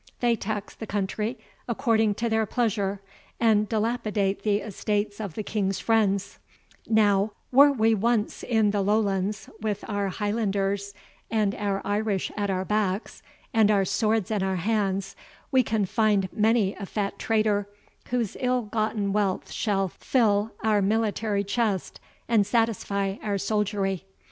They tax the country according to their pleasure, and dilapidate the estates of the King's friends; now, were we once in the Lowlands, with our Highlanders and our Irish at our backs, and our swords in our hands, we can find many a fat traitor, whose ill gotten wealth shall fill our military chest and satisfy our soldiery.